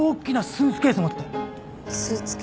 スーツケース。